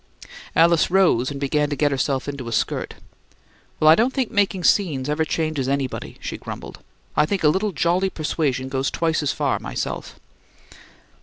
Alice rose and began to get herself into a skirt. "Well, I don't think making scenes ever changes anybody," she grumbled. "I think a little jolly persuasion goes twice as far, myself."